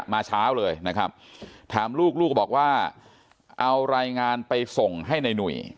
มาเช้าเลยนะครับถามลูกลูกก็บอกว่าเอารายงานไปส่งให้ในหนุ่ย